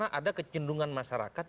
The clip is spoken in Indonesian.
karena ada kecundungan masyarakat